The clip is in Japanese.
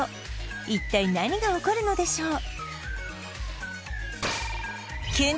一体何が起こるのでしょうきゅん